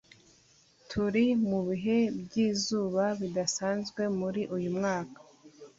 Turi mubihe byizuba bidasanzwe muri uyumwaka.